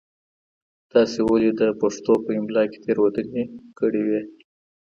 تاسي ولي د پښتو په املا کي تېروتنې کړې وې؟